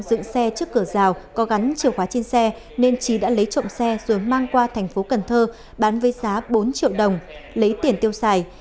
dựng xe trước cửa rào có gắn chìa khóa trên xe nên trí đã lấy trộm xe rồi mang qua thành phố cần thơ bán với giá bốn triệu đồng lấy tiền tiêu xài